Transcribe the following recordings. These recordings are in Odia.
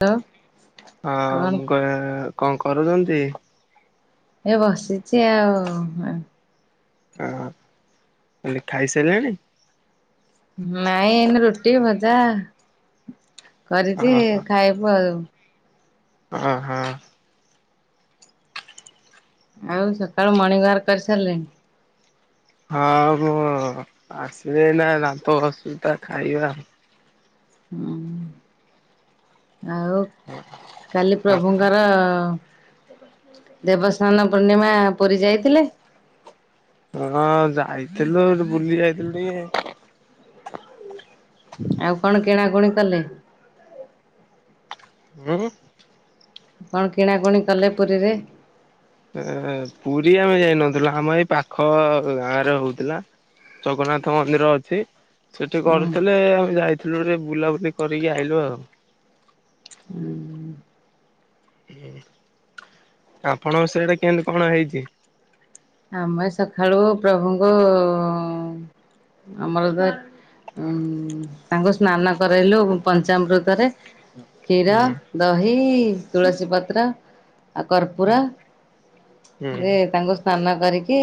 ଲ ହଁ ମୁଁ କ କଣ କରୁଛନ୍ତି? ଏ ବସିଛି ଆଉ। ହ ମୁଁ କହିଲି ଖାଇସାରିଲେଣି? ନାଇଁ ଏନ ରୁଟି ଭଜା ହଁ କରିଛି ଖାଇବୁ ଆଉ। ଓଁ ହଁ। ଆଉ ସକାଳୁ ମୋର୍ଣିଂ ୱାର୍କ କରିସାରିଲେଣି? ହଁ ମୁଁ ଆସିଲେ ଏଇନା ଦାନ୍ତ ଘଷୁଛି ତ ଖାଇବା। ହଁ ଆଉ କାଲି ପ୍ରଭୁଙ୍କର ଦେବସ୍ନାନ ପୂର୍ଣ୍ଣିମା ପୁରୀ ଯାଇଥିଲେ? ହଁ ଯାଇଥିଲୁ ବୁଲି ଯାଇଥିଲୁ ଟିକେ। ଆଉ କଣ କିଣାକୁଣି କଲେ? ଉଁ ହୁଁ। କଣ କିଣାକିଣି କଲେ ପୁରୀରେ? ଏ ପୁରୀ ଆମେ ଯାଇନଥିଲୁ ଆମ ଏଇ ପାଖ ଗାଁରେ ହଉଥିଲା। ଜଗନ୍ନାଥ ମନ୍ଦିର ଅଛି। ସେଠି ହୁଁ କରୁଥିଲେ ଆମେ ଯାଇଥିଲୁ ହେରା ବୁଲାବୁଲି କରିକି ଆଇଲୁ ଆଉ। ହୁଁ। ଆପଣଙ୍କ ସେଡେ କେମିତି କଣ ହେଇଛି? ଆମେ ସକାଳୁ ପ୍ରଭୁଙ୍କୁ ଆମର ତ ଉ ତାଙ୍କୁ ସ୍ନାନ କରାଇଲୁ ପଞ୍ଚାଅମୃତରେ। କ୍ଷୀର, ହୁଁ ଦହି, ତୁଳସୀ ପତ୍ର ଆଉ କର୍ପୁର ହୁଁ ଯେ ତାଙ୍କୁ ସ୍ନାନ କରିକି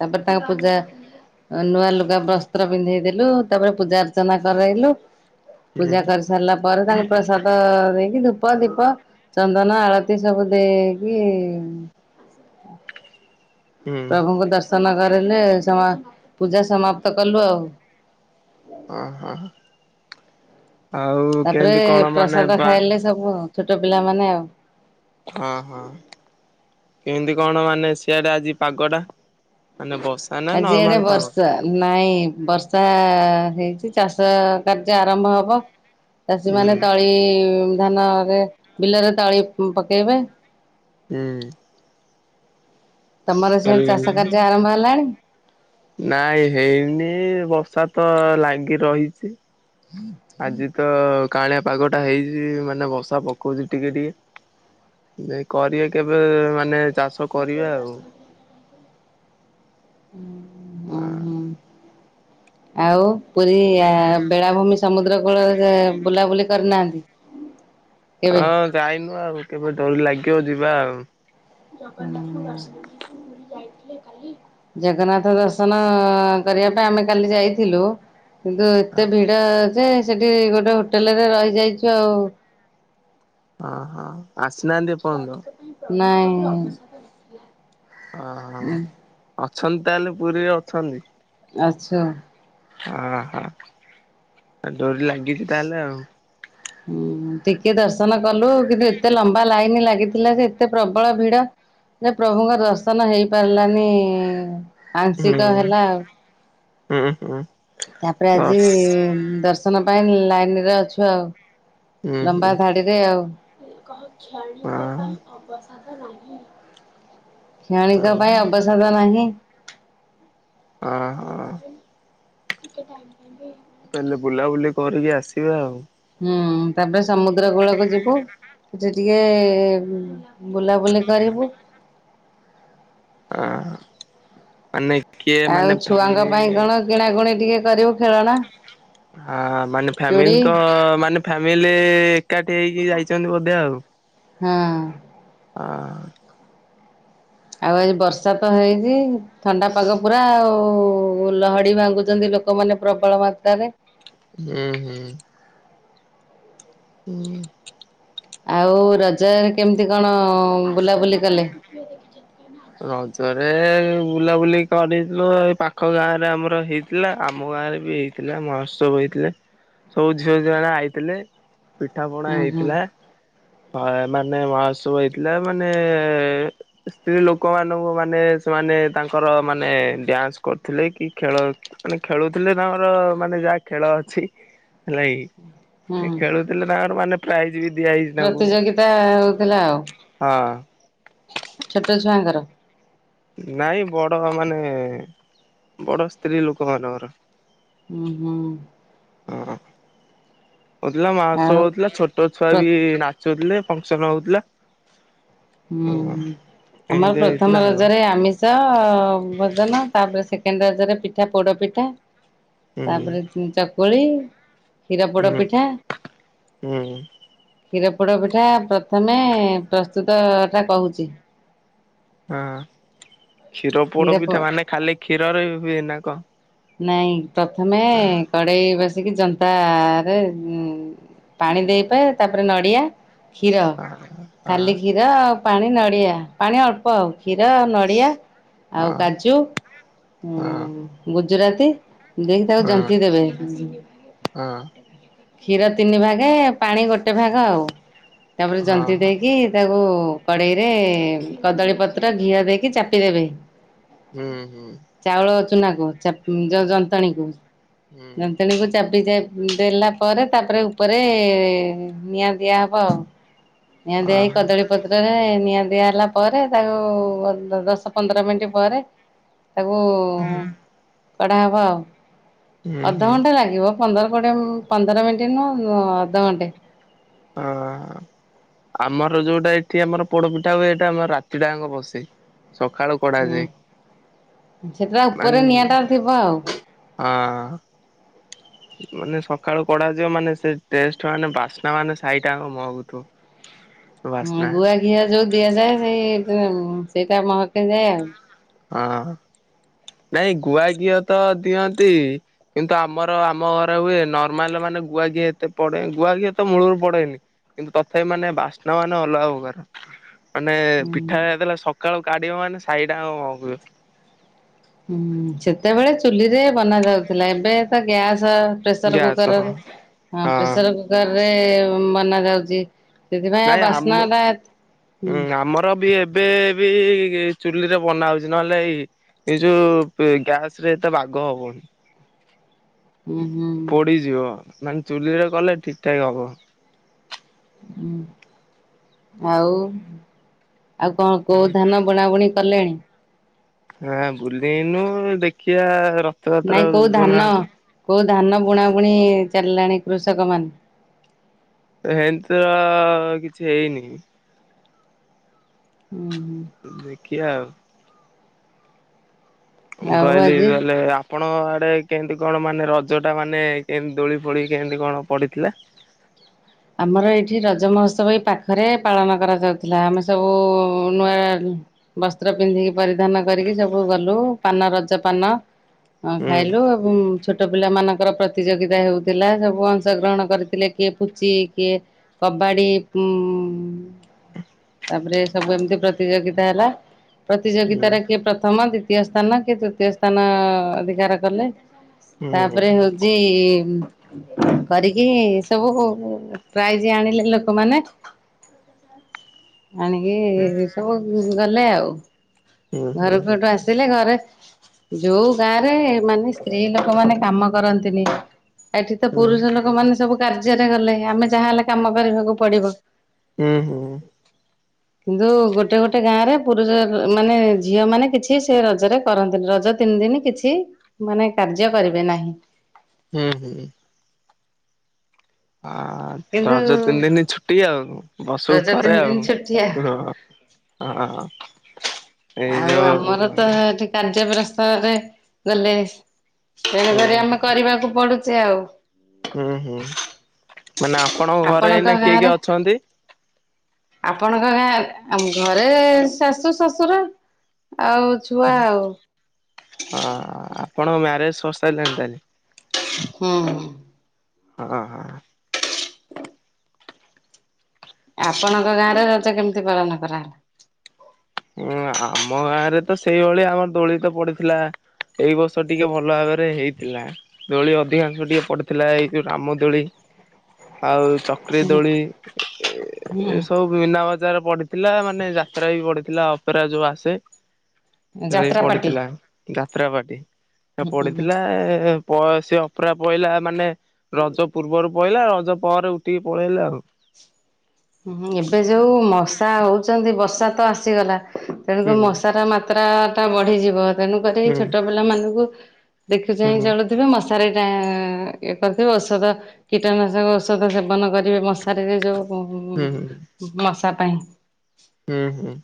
ତାପରେ ତାଙ୍କ ପୂଜା ନୂଆ ଲୁଗା ବସ୍ତ୍ର ପିନ୍ଧେଇଦେଲୁ ତାପରେ ପୂଜା ଅର୍ଚ୍ଚନା କରାଇଲୁ। ପୂଜା ହୁଁ କରିସାରିଲା ପରେ ତାଙ୍କୁ ପ୍ରସାଦ ପ ଦେଇକି ଧୂପ, ଦୀପ, ଚନ୍ଦନ, ଆଳତି ସବୁ ଦେଇକି ହୁଁ ପ୍ରଭୁଙ୍କୁ ଦର୍ଶନ କରିଲେ ସମ ପୂଜା ସମାପ୍ତ କଲୁ ଆଉ। ଓହୋ ଆଉ ତାପରେ କେମିତି କଣ ମାନେ ପ୍ରସାଦ ବା ଖାଇଲେ ସବୁ ଛୋଟ ପିଲାମାନେ ଆଉ। ହଁ, ହଁ। କେମିତି କଣ ମାନେ ସିଆଡେ ଆଜି ପାଗଟା? ମାନେ ବଷ୍ ଆଜି ଆଡ଼େ ବର୍ଷା। ନାଇଁ ବର୍ଷା ହେଇଛି ଚାଷ କାର୍ଯ୍ୟ ଆରମ୍ଭ ହବ। ଚାଷୀ ହୁଁ ମାନ ତଳି ଧାନରେ ବିଲରେ ତଳି ପକେଇବେ। ହୁଁ। ତମର ସେଆଡ଼ ଚାଷ କାର୍ଯ୍ୟ ଆରମ୍ଭ ହେଲାଣି? ନାଇଁ ହେଇନି ବର୍ଷା ତ ଲାଗି ରହିଛି। ହୁଁ। ଆଜି ତ କାଁଳିଆ ପାଗ ଟା ହେଇଛି ମାନେ ବର୍ଷା ପକଉଛି ଟିକେ ଟିକେ। ଯେ କରିବା କେବେ ମାନେ ଚାଷ କରିବା ଆଉ। ହୁଁ ହୁଁ। ହାଁ। ଆଉ ପୁରୀ ବେଳାଭୂମି ସମୁଦ୍ର କୂଳରେ ବୁଲାବୁଲି କରିନାହାନ୍ତି? କେବେ? ହଁ ଯାଇନୁ ଆଉ। କେବେ ଡୋରି ଲାଗିବ ଯିବା ଆଉ। [inaudible] ଜଗନ୍ନାଥ ଦର୍ଶନ କରିବା ପାଇଁ ଆମେ କାଲି ଯାଇଥିଲୁ। କିନ୍ତୁ ଏତେ ଭିଡ ଯେ ସେଠି ଗୋଟେ ହୋଟେଲରେଊ ରହିଯାଇଛୁ ଆଉ। ହଁ ହଁ ଆସିନାହାନ୍ତି ଏପର୍ଯ୍ୟନ୍ତ? ନାଇଁ। ଓହୋଃ ଅଛନ୍ତି ତାହେଲେ ପୁରୀରେ ଅଛନ୍ତି। ଆଛୁ। ଅହଃ। ଡୋରି ଲାଗିଛି ତାହେଲେ ଆଉ। ହୁଁ ଟିକେ ଦର୍ଶନ କଲୁ। କିନ୍ତୁ, ଏତେ ଲମ୍ବା ଲାଇନ ଲାଗିଥିଲା ଯେ ଏତେ ପ୍ରବଳ ଭିଡ। ଯେ ପ୍ରଭୁଙ୍କ ଦର୍ଶନ ହେଇ ପାରିଲାନି। ହୁଁ, ହୁଁ, ହଁ। ତାପରେ ଆଜି ଦର୍ଶନ ପାଇଁ ଲାଇନ ରେ ଅଛୁ ଆଉ। ହୁଁ ଲମ୍ବା ହୁଁ ଧାଡି। [unintelligible] [unintelligible] ପାଇଁ ଓହୋ ଅବସାଦ ନାହିଁ। ଓହୋଃ। ଟିକେ ଟାଇମ୍। [unintelligible] ତାହେଲେ ବୁଲାବୁଲି କରିକି ଆସିବେ ଆଉ। ହୁଁ ତାପରେ ସମୁଦ୍ର କୂଳକୁ ଯିବୁ। ସେ ଟିକେ ବୁଲାବୁଲି କରିବୁ। ଅ ମାନେ କିଏ ମାନେ ଭା କିିଣା ଗୁଣି ଟିକେ କରିବୁ ଖେଳଣା। ଆଁ ମାନେ ଚୁଡ଼ି ଫାମିଲିଙ୍କ ମାନେ ଫ୍ୟାମିଲି ଏକାଠି ହେଇକି ଯାଇଛନ୍ତି ବୋଧେ ଆଉ। ହଁ। ହଁ। ଆଉ ଆଜି ବର୍ଷା ତ ହେଇନି। ଥଣ୍ଡାପାଗ ପୁରା ଆଉ। ଲହଡି ଭାଙ୍ଗୁଛନ୍ତି ଲୋକମାନେ ପ୍ରବଳ ମାତ୍ରାରେ। ହୁଁ ହୁଁ। [inaudible] ଆଉ ରଜରେ କେମିତି କଣ ବୁଲାବୁଲି କଲେ? କିଏ ଦେଖିଚନ୍ତି ନା? ରଜରେ ବୁଲାବୁଲି କରିଥିଲୁ ଏଇ ପାଖ ଗାଁରେ ଆମର ହେଇଥିଲା ଆମ ଗାଁରେ ବି ହେଇ ଥିଲା ମହୋତ୍ସବ ହେଇଥିଲେ ସବୁ ଝିଅ ଝିଅମାନେ ଆଇଥିଲେ। ପିଠାପଣା ହୁଁ ହୁଁ ହେଇଥିଲା। ହଁ ମାନେ ମହାଉତ୍ସବ ହେଇଥିଲା ମାନେ ସ୍ତ୍ରୀ ଲୋକ ଲୋକମାନଙ୍କୁ ମାନେ ସେମାନେ ତାଙ୍କର ମାନେ ଡ୍ୟାନ୍ସ କରୁଥିଲେ କି ଖେଳ ମାନେ ଖେଳୁଥିଲେ ତଙ୍କର ମାନେ ଯାହା ଖେଳଅଛି ହେଲାକି ସେ ହୁଁ ଖେଳୁଥିଲେ ତାଙ୍କର ମାନେ ପ୍ରାଇଜ୍ ବି ଦିଆ ହେଇଛି ତାଙ୍କୁ ହଁ। ପ୍ରତିଯୋଗିତା ହଉଥିଲା ଆଉ ଛୋଟ ଛୁଆଙ୍କର ନାଇଁ ବଡ ମାନେ ବଡ ସ୍ତ୍ରୀଲୋକ ମାନଙ୍କର। ହୁଁ ହୁଁ। [unintelligible] ହଉଥିଲା ମାହାଉତ୍ସବ ଆଉ ହଉଥିଲା ଛୋଟଛୁଆ ପ୍ର ବି ନାଚୁଥିଲେ ଫଙ୍କସନ୍ ହଉଥିଲା। ଉଁ ହଁ ହୁଁ ଆମର ଏମିତି ହେଇଥିଲା ପ୍ରଥମ ଆଉ ରଜରେ ଆମିସ୍ ସ ଭୋଜନ ତାପରେ ସେକେଣ୍ଡ ରଜରେ ପିଠା ପୋଡ଼ପିଠା ତାପରେ ହୁଁ ଚକୁଳି ହୁଁ କ୍ଷୀରପୋଡପିଠା। ହୁଁ କ୍ଷୀରପୋଡପିଠା ପ୍ରଥମେ ପ୍ରସ୍ତୁତ ଟା କହୁଚି। ହଁ କ୍ଷୀର ପ କ୍ଷୀରପୋଡପିଠା ମାନେ ଖାଲି କ୍ଷୀରରେ ହୁଏ ନା କଣ? ନାଇଁ ପ୍ରଥମେ ହଁ କଡେଇ ବସ୍ କି ଜନ୍ତା ରେ ଉଁ ପାଣି ଦେଇପା ତାପରେ ନଡିଆ କ୍ଷୀର ହଁ ହଁ ଖାଲି କ୍ଷୀ କ୍ଷୀର ଆଉ ପାଣି ନଡ଼ିଆ ପାଣି ଅଳ୍ପ କ୍ଷୀର ନଡ଼ିଆ ହଁ ଆଉ କାଜୁ ଉଁ ଗୁଜୁରାତି ଦେଇକି ତାକୁ ହଁ ଜନ୍ତିଦେବେ ହୁଁ। ହଁ କ୍ଷୀର ତିନିଭାଗେ ପାଣି ଗୋଟେଭାଗ ଆଉ ତାପରେ ହଁ ଜନ୍ତିି ହଁ ଦେଇକି ତାକୁ କଡେଇରେ କଦଳୀ ପତ୍ର ଘିଅ ଦେଇକି ଚାପିଦବେ। ଉଁ ହୁଁ। ଚାଉଳ ଚୁନାକୁ ଚାପ୍ ଯ ଯନ୍ତଣୀକୁ ହୁଁ ଯନ୍ତଣୀକୁ ଚାପି ଚା ଦେଲା ପରେ ତାପରେ ଉପରେ ନିଆଁ ଦିଆହବ ଆଉ। ନିଆଁ ଦିଆହେଇକି କଦଳୀ ପତ୍ରରେ ନିଆଁ ଦିଆ ହେଲା ପରେ ତାକୁ ଅ ଦଶ ପନ୍ଦର ମିନିଟ୍ ପରେ ତାକୁ କଢ଼ା ହବ ଆଉ ହୁଁ ହୁଁ ହଁ। ଅଧଘଣ୍ଟା ଲାଗିବ। ପନ୍ଦର କୋଡ଼ିଏ ମ୍ ପନ୍ଦର ମିନିଟ୍ ନୁହଁ ଅଁ ଅଧଘଣ୍ଟେ। ହଁ। ଆମର ଯୋଉଟା ଏଠି ଆମର ପୋଡପିଠା ହୁଏ ଏଇଟା ଆମର ରାତିଟାଙ୍କ ବସେ। ସକାଳୁ କଡା ଯାଏ ହୁଁ ସେଟା ଉପରେ ନିଆଁ ଟା ମାନ ଥିବ ଆଉ। ହଁ। ମାନେ ସକାଳୁ କଡାଯିବ ମାନେ, ସେ ଟେଷ୍ଟ ମାନେ ବାସ୍ନାମାନେ ସାହିଟାଙ୍କ ମହକୁଥିବ। [inaudible] ହୁଁ ଗୁଆଘିଅ ଯୋଉ ଦିଆଯାଏ ସେଇ ଉଁ ସେଇଟା ମହକି ଯାଏ ଆଉ। ହଁ ନାଇଁ ଗୁଆଘିଅ ତ ଦିଅନ୍ତି କିନ୍ତୁ ଆମର ଆମଘରେ ହୁଏ ନର୍ମାଲ ମାନେ ଗୁଆଘିଅ ଏତେ ପଡେ ଗୁଆ ଘିଅତ ମୂଳରୁ ପଡେନି। କିନ୍ତୁ ତଥାପି ମାନେ ବାସ୍ନା ମାନେ ଅଲଗା ପ୍ରକାର। ମାନେ ପିଠା ହୁଁ। ଯେତେଳେ ସକାଳୁ କାଢିବ ମାନେ ସାହିଟାଙ୍କ ମହକିବ। ହୁଁ ସେତେବେଳେ ଚୁଲିରେ ବନା ଯାଉଥିଲା ଏବେ ତ ଗ୍ୟାସ ପ୍ରେସର କୁକର୍ ହଁ ପ୍ରେସର କୁକର୍ ରେ ବନାଯାଉଛି। ସେଥିପାଇଁ ଆଉ ନାଇଁ ଆମ ବାସ୍ନାଟା ହୁଁ। ଆମର ବି ଏ ଏବେ ବି ଚୁଲି ରେ ବନା ହଉଛି ନହେଲେ ଏଇ ଏଇ ଯୋଉ ଗ୍ୟାସ ରେ ଏତେ ବାଗ ହବନି। ହୁଁ ହୁଁ ପୋଡ଼ି ଯିବ ମାନେ ଚୁଲିରେ କଲେ ଠିକ୍ ଠାକ୍ ହବ। ହଁ ଆଉ। ଆଉ କଣ କୋଉ ଧାନ ବୁଣାବୁଣି କଲେଣି? ହଁ ବୁଲିନୁ ଦେଖିବା ର ନାଇଁ କୋଉ ଧାନ କୋଉ ଧାନ ବୁଣା ବୁଣି ଚାଲିଲାଣି କୃଷକ ମାନେ ଏମିତି ତ କିଛି ହେଇନି। ହୁଁ ହୁଁ। ଦେଖିବା ଆଉ। ମୁଁ ଆଉ କହିଲି ଆଜି କହିଲେ ଆ ଆପଣ ଆଡ଼େ କେମିତି କଣ ମାନେ ରଜଟା ମାନେ କେମତି ଦୋଳି ଫୋଳି କେମିତି କଣ ପଡ଼ିଥିଲା? ଆମର ଏଇଠି ରଜ ମହୋତ୍ସବ ଏ ପାଖରେ ପାଳନ କରାଯାଉଥିଲା। ଆମେ ସବୁ ନୂଆ ବସ୍ତ୍ର ପିନ୍ଧିକି ପରିଧାନ କରିକି ସବୁ ଗଲୁ ପାନ ରଜ ପାନ ଆଁ ହୁଁ ଖାଇଲୁ ଛୋଟ ପିଲାମାନାନଙ୍କର ପ୍ରତିଯୋଗିତା ହେଉଥିଲା ସବୁ ଅଂଶଗ୍ରହଣ କରିଥିଲେ କିଏ ଚି କିଏ କବାଡ଼ି ଉଁ ତାପରେ ସବୁ ଏମିତି ପ୍ରତିଯୋଗିତା ହେଲା ହୁଁ ପ୍ରତିଯୋଗିତଟା କିଏ ପ୍ରଥମ ଦ୍ବିତ ତୀୟ ସ୍ଥାନ କିଏ ତୃତୀୟ ସ୍ଥାନ ଅଧିକାର କଲେ ହୁଁ ତାପରେ ହୋଉ ଚି କରିକି ସବୁ ପ୍ରାଇଜ ଆଣିଲେ ଲୋକମାନେ। ଆଣିକି ସବୁ ଗଲେ ଆଉ ହୁଁ ହୁଁ ହୁଁ ଘରକୁ ହେଠୁ ଆସିଲେ ଘରେ ଯେଉଁ ଗାଁ ରେ ମାନେ ସ୍ତ୍ରୀ ଲୋକମାନେ କାମ କରନ୍ତିନି। ଏଠିତ ହୁଁ ପୁରୁଷ ଲୋକ ମାନେ ସବୁ କାର୍ଯ୍ୟରେ ଗଲେ ଆମେ ଯାହା ହେଲେ କାମ କରିବାକୁ ପଡିବ। ହୁଁ ହୁଁ। କିନ୍ତୁ ଗୋଟେ ଗୋଟେ ଗାଁରେ ପୁରୁଷ ମାନେ ଝିଅ ମାନେ କିଛି ସେ ରଜରେ କରନ୍ତିନି ରଜ ତିନି ଦିନ କିଛି ମାନେ କାର୍ଯ୍ୟ କରିବେ ନାହିଁ। ହୁଁ ହୁଁ। କିନ୍ତୁ ଟ୍ରାଉଜର୍ ପିନ୍ଧିନି ଛୁଟି ଆଉ। ବର୍ଷକୁ ରଜ ଥରେ ତିନି ଦିନ ଆଉ ଛୁଟିଆ ହଁ ହଁ। ଏଇ ଆଉ ଆମର ଯୋଉ ତ ଏଇଠି କାର୍ଯ୍ୟ ଗ୍ରସ୍ତରେ ଗଲେ ହୁଁ ତେଣୁକରି ଆମେ କରିବାକୁ ପଡୁଚି। ଚି ଆଉ ହୁଁ ହୁଁ ମାନେ ଆପଣଙ୍କ ଘରେ ଏଇନା କିଏ କିଏ ଅଛନ୍ତି? ଆପଣଙ୍କ ଗାଁ ଆମ୍ ଘରେ ଶାଶୁ ଶଶୁର। ଆଉ ଛୁଆ ଆଉ। ହଁ ଆପଣଙ୍କ ମ୍ୟାରେଜ ସରି ସାରିଲାଣି ତାହେଲେ? ହୁଁ। ହଁ ହଁ। ଆପଣଙ୍କ ଗାଁରେ ରଜ କେମିତି ପାଳନ କରାହେଲା? ଆମ ଗାଁରେ ତ ସେଇଭଳି ଆମର ଦୋଳି ତ ପଡିଥିଲା। ଏଇ ବର୍ଷ ଟିକେ ଭଲ ଭାବରେ ହେଇଥିଲା। ଦୋଳି ଅଧିକାଂଶ ଟିକେ ପଡିଥିଲା ଏଇ ଯୋଉ ରାମ ଦୋଳି ଆଉ ଚ ଚକ୍ରୀ ହୁଁ ଦୋଳି ହୁଁ ଏ ସବୁ ମିନା ବଜାର ପଡିଥିଲା ମାନେ ଯାତ୍ରା ବି ପଡିଥିଲା। ଥିଲା ଅପେରା ଯୋଉ ଆସେ ସେଟାରା ବି ଯାତ୍ରା ପାଟି ପଡିଥିଲା ଯାତ୍ରା ପାର୍ଟି। ହୁଁ ହୁଁ ପଡିଥିଲା ପ ସେ ଅପେରା ପଇଲା ମାନେ ରଜ ପୂର୍ବରୁ। ପଳେଇଲା ରଜ ପରେ ଉଠିକି ପଳେଇଲେ ଆଉ ହୁଁ ଏବେ ଯୋଉ ମଶା ହଉଛନ୍ତି ବର୍ଷା ତ ଆସିଗଲା ହୁଁ ତେଣୁକରି ମଶା ଟା ମାତ୍ରା ଟା ବଢିଯିବ ତେଣୁକରି ହୁଁ। ଛୋଟ ପିଲା ମାନଙ୍କୁ ଦେଖି ହୁଁ ହୁଁ ଚାହିଁଚଳୁ ଥିବେ ମଶାରି ଟା ଇଏ କରିଥିବେ ଔଷଧ କୀଟନାଶକ ଔଷଧ ସୋଧନ କରିବେ ମଶାରିରେ ଯୋଉ ମଶା ପାଇଁ। ହୁଁ ହୁଁ।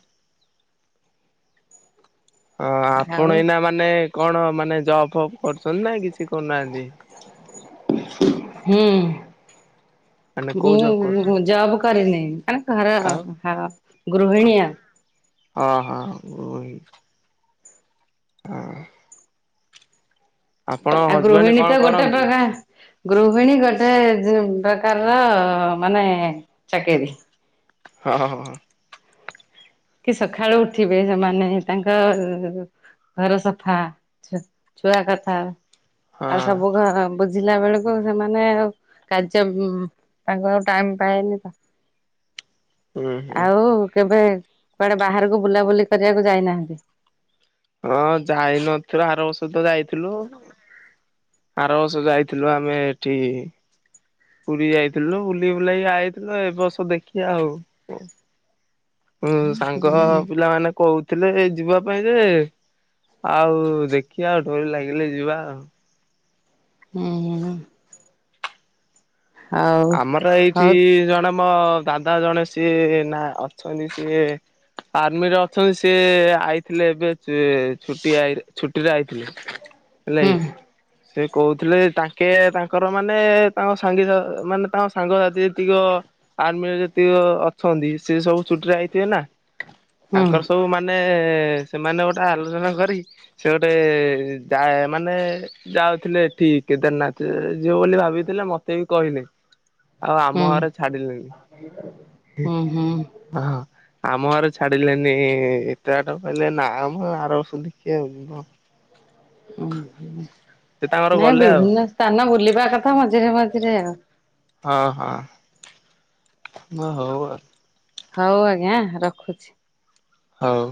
ହଁ ଆପଣ ଆଉ ଏଇନା ମାନେ କଣ ମାନେ ଜବ ଫବ୍ କରୁଛନ୍ତି ନା କିଛି କରୁନାହାନ୍ତି? ମାନେ ହୁଁ କୋଉ ଜବ୍ ଯୋଉଁ କରୁଛନ୍ତି ଭଜା ହବ କରିନି ମାନେ ଘର ଆଉ [inaudible] ଗୃହିଣୀଆ। ଅହଁଗୃହି ହଁ। ଆଉ ହଜବେଣ୍ଡ ଗୃହିଣୀ କଣ ତ ଗୋଟେ କରନ୍ତି? ପ୍ରକାର। ଗୃହିଣୀ ଗୋଟେ ପ୍ରକାର ର ମାନେ ଚାକିରୀ। [unintelligible] କି ସକାଳୁ ଉଠିବେ ସେମାନେ ତାଙ୍କ ଘର ସଫା ଛୁଆ କଥା ଆଉ ହଁ। ସବୁ ଘର ବୁଝିଲା ବେଳକୁ ସେମାନେ ଆଉ କାର୍ଯ୍ୟ ତାଙ୍କୁ ଆଉ ଟାଇମ ପାଏନି ତ। ହୁଁ ହୁଁ ଆଉ କେବେ କୁଆଡେ ବାହାରକୁ ବୁଲାବୁଲି କରିବାକୁ ଯାଇନାହାନ୍ତି? ହଁ ଯାଇନଥିଲୁ ଆରବର୍ଷତ ଯାଇଥିଲୁ। ଆର ବର୍ଷ ଯାଇଥିଲୁ ଆମେ ଏଠି ପୁରୀ ଯାଇଥିଲୁ ବୁଲି ବୁଲାକିଆଇଥିଲୁ ଏ ବର୍ଷ ଦେଖି ଆଉ କ ହୁଁ ସାଙ୍ଗ ପିଲା ମାନେ କହୁ ଥିଲେ ଯିବା ପାଇଁ ଯେ ଆଉ ଦେଖିବା ଆଉ ଡୋରି ଲାଗିଲେ ଯିବା ଆଉ। ହୁଁ ହୁଁ। ଆଉ ଆମର ଏଇଠି ହଉ ଜଣେ ମୋ ଦାଦା ଜଣେ ସିଏ ନା ଅଛନ୍ତି ସିଏ ଆର୍ମି ରେ ଅଛନ୍ତି ସିଏ ଆଇଥିଲେ ଏବେ। ସେ ଛୁଟି ଛୁଟିରେ ଆଇଥିଲେ ହେଲା ହୁଁ କି। ସେ କହୁଥିଲେ ତାଙ୍କେ ତାଙ୍କର ମାନେ ତାଙ୍କ ସାଙ୍ଗିର ମାନେ ତାଙ୍କ ସାଙ୍ଗସାଥି ଯେତିକ ଆର୍ମିରେ ଯେତିକ ଅଛନ୍ତି ସେ ସବୁ ଚୁଟିରେ ଆଇଥିବେ ନା ହୁଁ ତାଙ୍କର ସବୁ ମାନେ ସେମାନେ ଗୋଟେ ଆଲୋଚନା କରି ସେ ଗୋଟେ ଯାଏ ମାନେ ଯାଉଥିଲେ ଏ ଠି କେଦାର ନାଥ ଯିବବୋଲି ଭାବିଥିଲେ ମତେ ବି କହିଲେ। ଆଉ ଆମ ହୁଁ ଘର ଛାଡିଲେନି ହୁଁ ହୁଁ ହଁ। ଆମ ଘରେ ଛାଡିଲେନି ଏତେ ବାଟ କହିଲେ ନା ମ ଆରବର୍ଷକୁ ଦେକ୍ଷିଆ ଆଉ ଜିଦ। ଉ ସେ ତାଙ୍କର ନାଇଁ ଗଲେ ଆଉ ବିଭିନ୍ନ ସ୍ଥାନ ବୁଲିବା କଥା ମଝିରେ ମଝିରେ ଆଉ। ହଁ ହଁ। ଓ ହଉ ଆଉ। ହଉ ଆଜ୍ଞା ରଖୁଛି। ହଉ।।